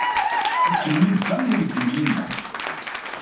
Ikemmel Dan ireggem Linda.